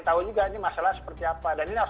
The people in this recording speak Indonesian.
tahu juga ini masalah seperti apa dan ini harus